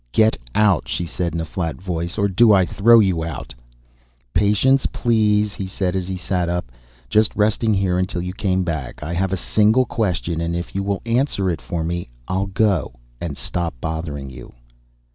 "Get out," she said in a flat voice. "Or do I throw you out?" "Patience, please," he said as he sat up. "Just resting here until you came back. I have a single question, and if you will answer it for me I'll go and stop bothering you."